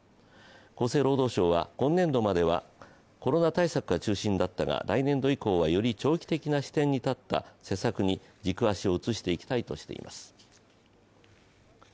厚生労働省は今年度まではコロナ対策が中心だったが来年度以降はより長期的な視点に立った施策に軸足を移していきたいとしています。